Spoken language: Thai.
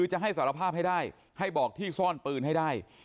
จะให้สารภาพให้ได้ให้บอกที่ซ่อนปืนให้ได้